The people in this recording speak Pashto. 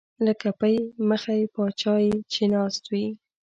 لکه پۍ مخی پاچا چې ناست وي